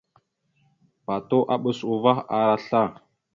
Patu aɓas uvah ara sla.